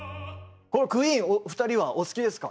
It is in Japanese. クイーンお二人はお好きですか？